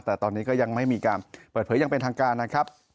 แต่ตอนนี้ก็ยังไม่มีการเปิดเผยยังเป็นทางการนะครับ